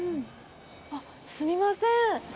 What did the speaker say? あっすみません